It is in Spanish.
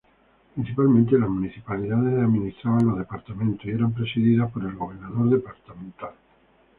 Principalmente, las municipalidades administraban los departamentos y eran presididas por el gobernador departamental.